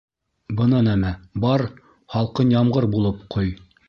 Бына нәмә: бар һалҡын ямғыр булып ҡой.